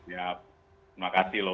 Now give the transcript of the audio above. ya terima kasih